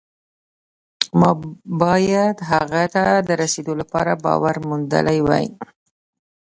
ما باید هغه ته د رسېدو لپاره باور موندلی وي